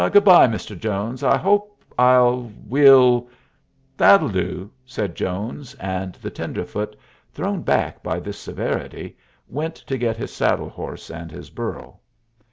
"Good bye, Mr. Jones. I hope I'll we'll " "That'll do," said Jones; and the tenderfoot, thrown back by this severity, went to get his saddle horse and his burro.